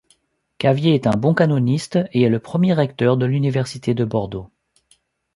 Cavier est un bon canoniste et est le premier recteur de l'université de Bordeaux.